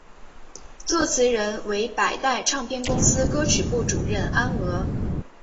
作词人为百代唱片公司歌曲部主任安娥。